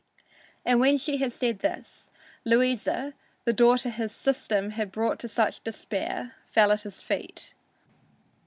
And when she had said this, Louisa, the daughter his "system" had brought to such despair, fell at his feet.